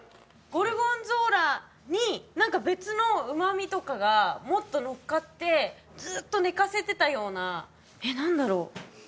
ゴルゴンゾーラに何か別の旨味とかがもっとのっかってずっと寝かせてたようなえっ何だろう？